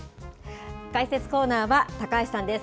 解説コーナーは、高橋さんです。